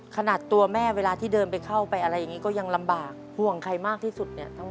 ขนาดตัวแม่เวลาที่เดินไปเข้าไปอะไรอย่างนี้ก็ยังลำบากห่วงใครมากที่สุดเนี่ย